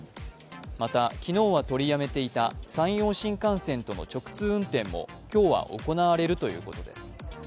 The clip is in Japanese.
また、昨日は取りやめていた山陽新幹線との直通運転も今日は行われるということです。